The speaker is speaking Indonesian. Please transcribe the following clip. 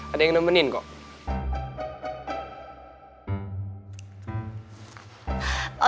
ada yang nemenin kok